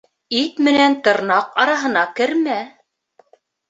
Ит менән тырнаҡ араһына кермә.